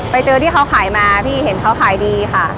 ไปเจอที่เขาขายมาพี่เห็นเขาขายดีค่ะ